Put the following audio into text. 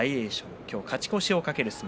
今日、勝ち越しを懸ける相撲。